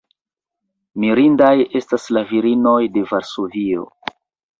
Mirindaj estas la virinoj de Varsovio.